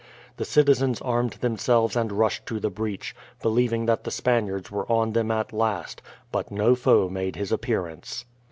The citizens armed themselves and rushed to the breach, believing that the Spaniards were on them at last; but no foe made his appearance.